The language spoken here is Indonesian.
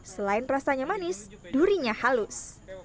selain rasanya manis durinya halus